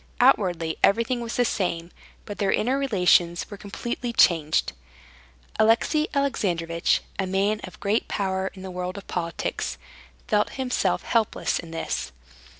Outwardly everything was the same, but their inner relations were completely changed. Alexey Alexandrovitch, a man of great power in the world of politics, felt himself helpless in this.